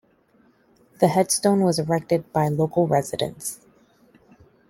The headstone was erected by local residents.